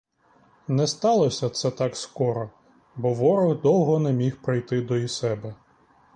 Не сталося це так скоро, бо ворог довго не міг прийти до і себе.